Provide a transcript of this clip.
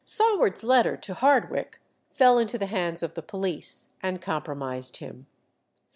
Saward's letter to Hardwicke fell into the hands of the police and compromised him.